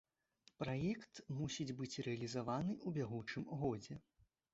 Праект мусіць быць рэалізаваны ў бягучым годзе.